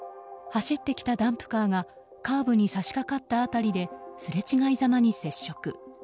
走ってきたダンプカーがカーブに差し掛かった辺りですれ違いざまに接触。